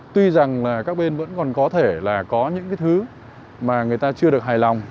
tuy rằng các bên vẫn còn có thể có những thứ mà người ta chưa được hài lòng